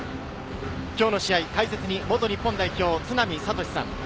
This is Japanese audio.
今日の試合解説に元日本代表・都並敏史さん。